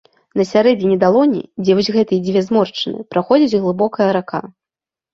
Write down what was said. На сярэдзіне далоні, дзе вось гэтыя дзве зморшчыны, праходзіць глыбокая рака.